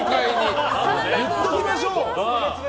言っておきましょう！